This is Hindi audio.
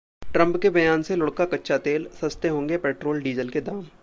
ट्रंप के बयान से लुढ़का कच्चा तेल, सस्ते होंगे पेट्रोल-डीजल के दाम!